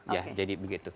ya jadi begitu